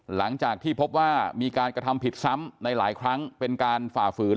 หลังจากที่พบว่ามีการกระทำผิดซ้ำในหลายครั้งเป็นการฝ่าฝืน